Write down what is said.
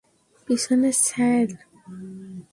পিছনে, স্যার।